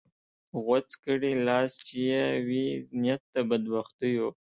غوڅ کړې لاس چې یې وي نیت د بدبختیو